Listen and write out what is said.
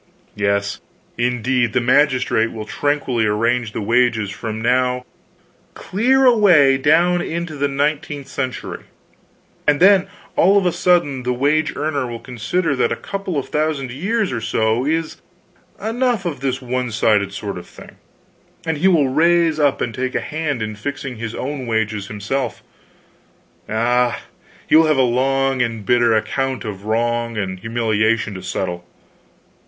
Yes, indeed! the magistrate will tranquilly arrange the wages from now clear away down into the nineteenth century; and then all of a sudden the wage earner will consider that a couple of thousand years or so is enough of this one sided sort of thing; and he will rise up and take a hand in fixing his wages himself. Ah, he will have a long and bitter account of wrong and humiliation to settle."